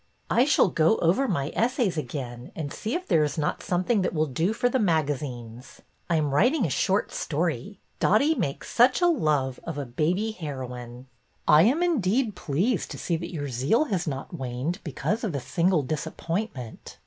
" I shall go over my essays again and see if II 2 BETTY BAIRD'S VENTURES there is not something that will do for the maga zines. I am writing a short story. Dottie makes such a love of a baby heroine." '' I am indeed pleased to see that your zeal has not waned because of a single disappointment."